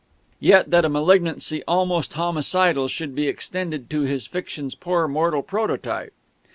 Yet that a malignancy almost homicidal should be extended to his fiction's poor mortal prototype....